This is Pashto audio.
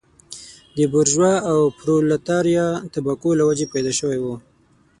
د بورژوا او پرولتاریا طبقو له وجهې پیدا شوی و.